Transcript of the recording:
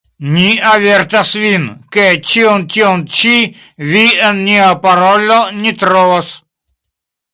Ni avertas vin, ke ĉion tion ĉi vi en nia parolo ne trovos.